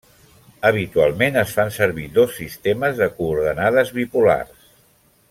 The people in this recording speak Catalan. Habitualment es fan servir dos sistemes de coordenades bipolars.